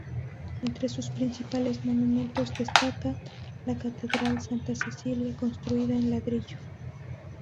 Entre sus principales monumentos destaca la catedral Santa Cecilia, construida en ladrillo.